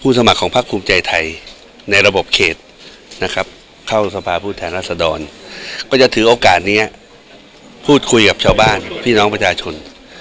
สมัครของพักภูมิใจไทยในระบบเขตนะครับเข้าสภาพผู้แทนรัศดรก็จะถือโอกาสนี้พูดคุยกับชาวบ้านพี่น้องประชาชน